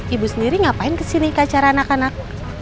ibu sendiri ngapain kesini ke acara anak anak